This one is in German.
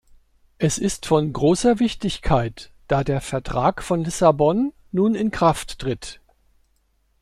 Es ist von großer Wichtigkeit, da der Vertrag von Lissabon nun in Kraft tritt.